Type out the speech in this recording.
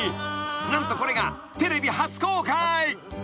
何とこれがテレビ初公開］